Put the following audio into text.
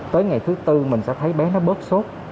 tới ngày thứ tư mình sẽ thấy bé nó bớt sốt